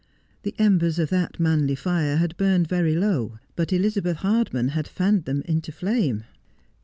The embers of that manly fire had burned very low, but Elizabeth Hardman had fanned them into flame.